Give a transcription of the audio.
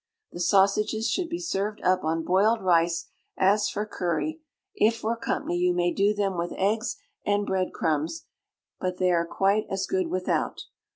The sausages should be served up on boiled rice, as for curry, if for company, you may do them with eggs and bread crumbs; but they are quite as good without.